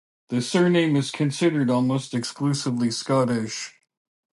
The surname is considered almost exclusively Scottish.